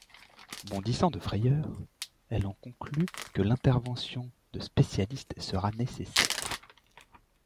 Bondissant de frayeur, elle en conclut que l'intervention de spécialistes sera nécessaire.